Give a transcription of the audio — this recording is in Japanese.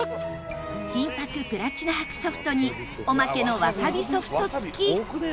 金箔プラチナ箔ソフトにおまけのわさびソフト付き。